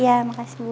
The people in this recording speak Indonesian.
iya terima kasih bu